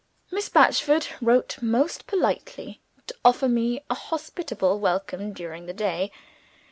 Miss Batchford wrote, most politely, to offer me a hospitable welcome during the day.